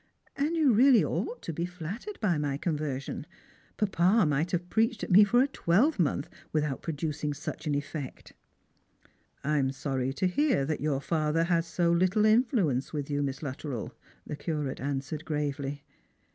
And you really ought to feel flattered by my conversion. Papa might have preached at me for a twelvemonth without producing such an effect." " I am sorry to hear that your father has so little influence with you. Miss Luttrell," the Curate answered gravely.